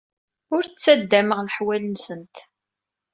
Ur ttaddameɣ leḥwal-nsent.